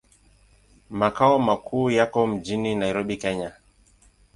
Makao makuu yako mjini Nairobi, Kenya.